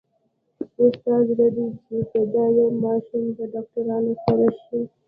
اوس ستا زړه دی چې په دا يوه ماشوم په ډاکټرانو سر شې.